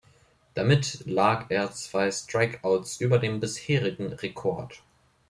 Damit lag er zwei Strikeouts über dem bisherigen Rekord.